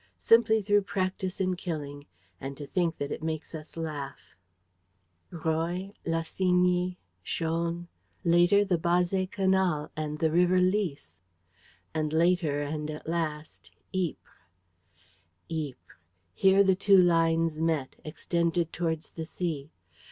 Simply through practise in killing! And to think that it makes us laugh!" Roye, Lassigny, Chaulnes. ... Later, the Bassée Canal and the River Lys. ... And, later and at last, Ypres. Ypres! Here the two lines met, extended towards the sea.